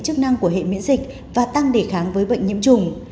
chức năng của hệ miễn dịch và tăng đề kháng với bệnh nhiễm trùng